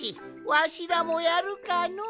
わしらもやるかの。